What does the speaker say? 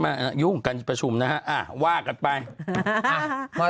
ไม่ยุ่งประชุมว่ากลับไป